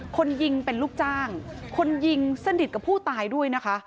คนยิงเป็นลูกจ้างคนยิงสนิทกับผู้ตายด้วยนะคะ